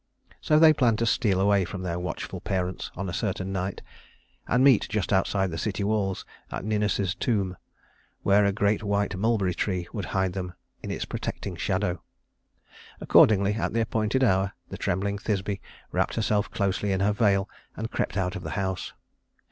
So they planned to steal away from their watchful parents on a certain night, and meet just outside the city walls at Ninus's tomb, where a great white mulberry tree would hide them in its protecting shadow. Accordingly, at the appointed hour, the trembling Thisbe wrapped herself closely in her veil and crept out of the house.